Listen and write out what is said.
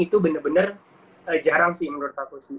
itu bener bener jarang sih menurut aku sih